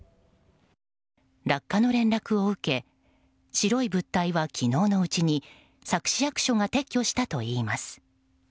落下の連絡を受け白い物体は昨日のうちに佐久市役所が撤去したといいます。